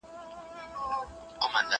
زه پرون سړو ته خواړه ورکوم!!